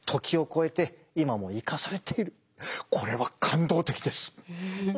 これは感動的です！